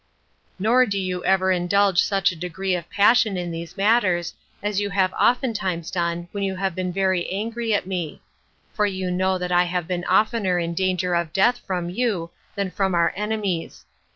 Nor do you ever indulge such a degree of passion in these matters, as you have oftentimes done when you have been very angry at me; for you know that I have been oftener in danger of death from you than from our enemies.